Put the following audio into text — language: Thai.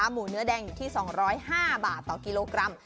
หมูเนื้อแดงอยู่ที่๒๐๕บาทต่อกิโลกรัม